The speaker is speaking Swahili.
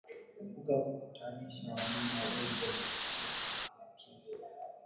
Epuka kukutanisha wanyama wagonjwa na wasio na maambukizi